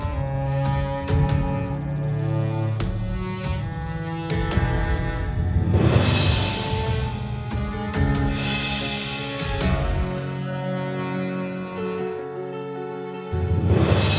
bagaimana kamu bisa keluar dari sini wi